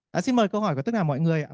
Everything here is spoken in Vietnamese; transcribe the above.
xin mời câu hỏi của tất cả mọi người ạ